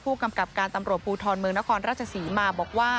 ผู้กำกับการตำรวจภูทรเมืองนครราชศรีมาบอกว่า